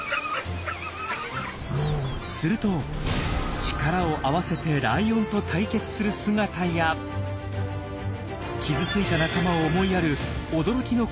すると力を合わせてライオンと対決する姿や傷ついた仲間を思いやる驚きの行動まで。